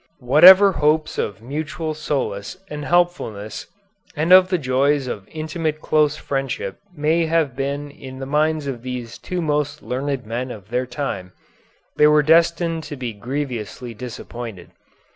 Whatever hopes of mutual solace and helpfulness and of the joys of intimate close friendship may have been in the minds of these two most learned men of their time, they were destined to be grievously disappointed.